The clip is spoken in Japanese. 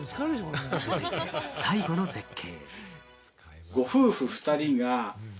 続いて最後の絶景。